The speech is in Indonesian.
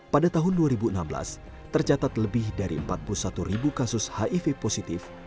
pada tahun dua ribu enam belas tercatat lebih dari empat puluh satu ribu kasus hiv positif